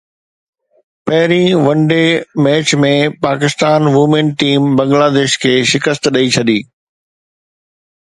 پهرين one day match ۾ Pakistan women team Bangladesh کي شڪست ڏئي ڇڏي